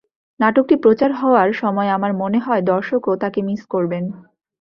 নাটকটি প্রচার হওয়ার সময় আমার মনে হয়, দর্শকও তাকে মিস করবেন।